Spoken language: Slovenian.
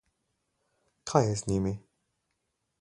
Kaj je z njimi?